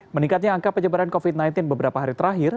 meningkatnya angka penyebaran covid sembilan belas beberapa hari terakhir